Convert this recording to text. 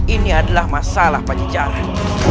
ini adalah masalah pajajaran